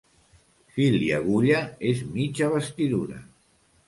Fil i agulla és mitja vestidura.